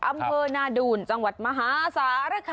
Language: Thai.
อำเภอนาดูนจังหวัดมหาสารคาม